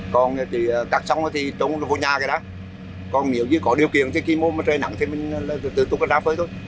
còn thì gạt xong thì trống nó vô nhà cái đó còn nếu như có điều kiện thì khi mưa mà trời nắng thì mình tự tục ra phơi thôi